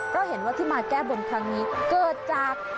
เพราะเห็นว่าที่มาแก้บนครั้งนี้เกิดจาก